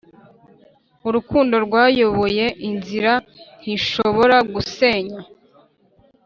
urukundo rwayoboye inzira. ntishobora gusenya